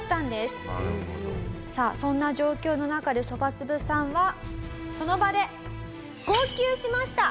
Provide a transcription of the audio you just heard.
さあそんな状況の中でそばつぶさんはその場で号泣しました。